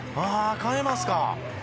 代えますか。